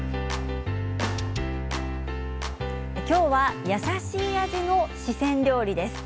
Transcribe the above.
今日は優しい味の四川料理です。